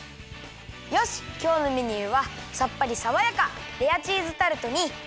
よしきょうのメニューはさっぱりさわやかレアチーズタルトにきまり！